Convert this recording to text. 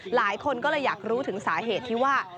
หลายคนก็เลยอยากรู้ถึงสาเหตุที่ว่า